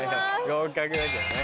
合格だけどね。